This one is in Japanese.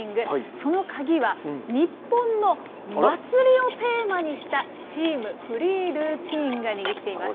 その鍵は、日本の祭りをテーマにしたチームフリールーティンが握っています。